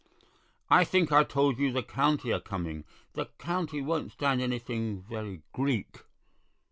"I think I told you the County are coming. The County won't stand anything very Greek."